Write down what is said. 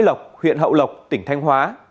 hội lộc huyện hậu lộc tỉnh thanh hóa